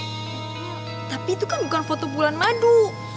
tapi itu kan bukan foto bulan madu